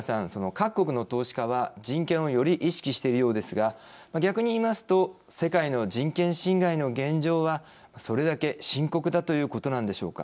各国の投資家は人権をより意識しているようですが逆にいいますと世界の人権侵害の現状はそれだけ深刻だということなんでしょうか。